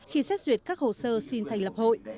khi xét duyệt các hồ sơ xin thành lập hội